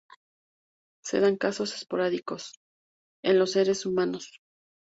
Se dan casos esporádicos en los seres humanos.